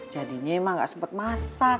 jadinya emak gak sempet masak